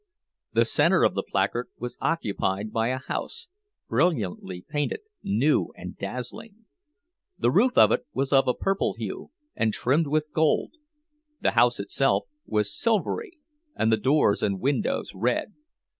The center of the placard was occupied by a house, brilliantly painted, new, and dazzling. The roof of it was of a purple hue, and trimmed with gold; the house itself was silvery, and the doors and windows red.